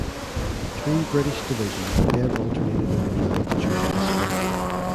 The three British divisions then alternated in the line during the Spring.